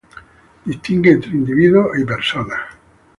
Distingue entre individuo y persona.